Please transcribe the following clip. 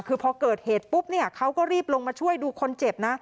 คือพอเกิดเหตุปุ๊บเนี่ยเขาก็รีบลงมาช่วยดูคนเจ็บนะ